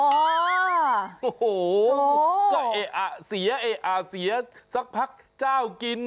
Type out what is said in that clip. โอ้โหเค๋อเสี๋ยสักพักเจ้ากิน